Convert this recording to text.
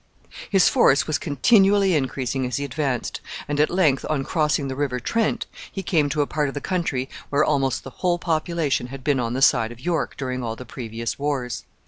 His force was continually increasing as he advanced, and at length, on crossing the River Trent, he came to a part of the country where almost the whole population had been on the side of York during all the previous wars.